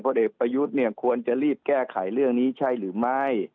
เด็กประยุทธ์เนี่ยควรจะรีบแก้ไขเรื่องนี้ใช่หรือไม่